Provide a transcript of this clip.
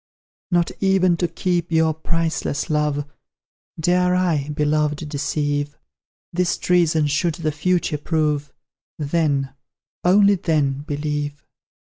Not even to keep your priceless love, Dare I, Beloved, deceive; This treason should the future prove, Then, only then, believe!